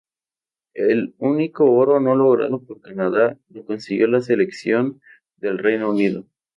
El único oro no logrado por Canadá lo consiguió la selección del Reino Unido.